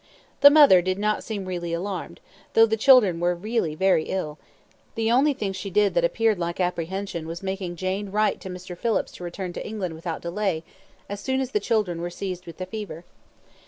The mother did not seem really alarmed, though the children were really very ill; the only thing she did that appeared like apprehension was making Jane write to Mr. Phillips to return to England without delay as soon as the children were seized with the fever.